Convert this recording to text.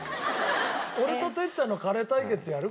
俺と哲ちゃんのカレー対決やる？